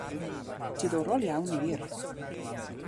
Diddorol iawn wir.